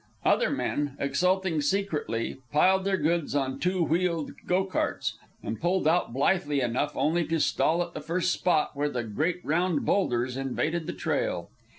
Other men, exulting secretly, piled their goods on two wheeled go carts and pulled out blithely enough, only to stall at the first spot where the great round boulders invaded the trail.